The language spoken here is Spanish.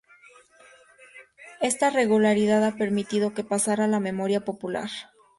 Esta regularidad ha permitido que pasara a la memoria popular.